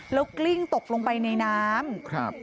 แล้วกลิ้งตกลงไปในน้ำ